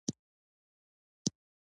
علم د کورنۍ بنسټ پیاوړی کوي.